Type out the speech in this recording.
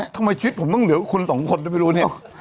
ทำไมชีวิตผมต้องเหลือคุณสองคนก็ไม่รู้เนี่ย